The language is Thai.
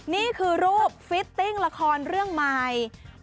นี่คือรูปฟิตติ้งละครเรื่องใหม่